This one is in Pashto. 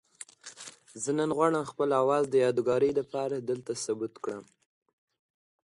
تکنالوژي بايد د بشر په ګټه وکارول سي.